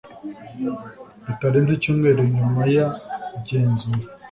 bitarenze icyumweru nyuma y igenzura